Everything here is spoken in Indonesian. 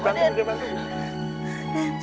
di bantuin di bantuin